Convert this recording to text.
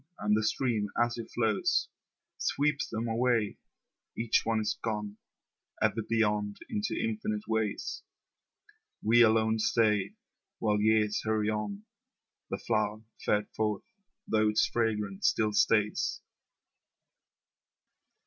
And the stream as it flows Sweeps them away, Each one is gone Ever beyond into infinite ways. We alone stay While years hurry on, The flower fared forth, though its fragrance still stays.